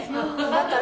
だから。